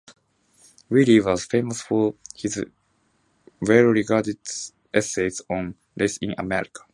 Wiley was famous for his well-regarded essays on race in America.